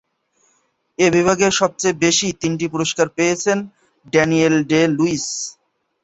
এ বিভাগে সবচেয়ে বেশি তিনটি পুরস্কার পেয়েছেন ড্যানিয়েল ডে-লুইস।